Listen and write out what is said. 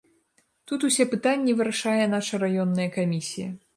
Тут усе пытанні вырашае наша раённая камісія.